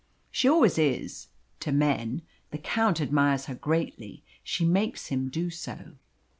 "She always is to men. The Count admires her greatly. She makes him do so."